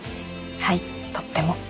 はいとっても。